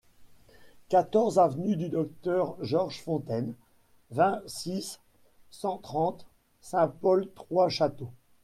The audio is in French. quatorze avenue du Docteur Georges Fontaine, vingt-six, cent trente, Saint-Paul-Trois-Châteaux